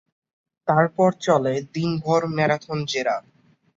তার পর চলে দিনভর ম্যারাথন জেরা।